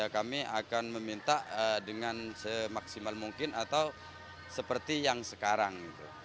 kami akan meminta dengan semaksimal mungkin atau seperti yang sekarang